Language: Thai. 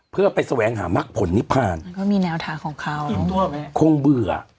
เพื่อไปแสวงหามักผลนิพพานมันก็มีแนวทางของเขาคงเบื่อ